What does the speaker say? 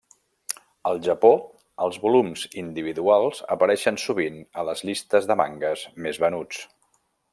Al Japó, els volums individuals apareixen sovint a les llistes de mangues més venuts.